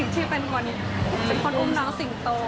ที่เป็นคนอุ้มน้องสิงโต